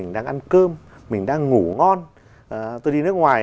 đang ngủ ngon tôi đi nước ngoài